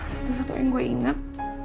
satu satunya yang gue ingat